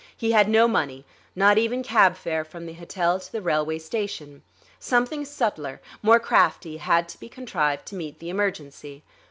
He had no money, not even cab fare from the hotel to the railway station. Something subtler, more crafty, had to be contrived to meet the emergency.